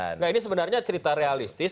enggak ini sebenarnya cerita realistis